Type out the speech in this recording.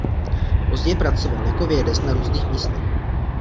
Později pracoval jako vědec na různých místech.